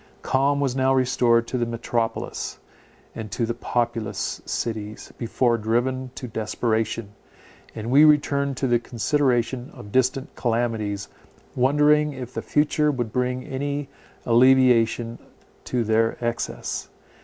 Calm was now restored to the metropolis, and to the populous cities, before driven to desperation; and we returned to the consideration of distant calamities, wondering if the future would bring any alleviation to their excess.